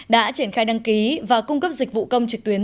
đã triển khai đăng ký và cung cấp dịch vụ công trực tuyến